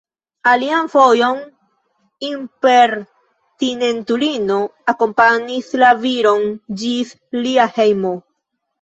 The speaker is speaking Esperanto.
Alian fojon impertinentulino akompanis la viron ĝis lia hejmo.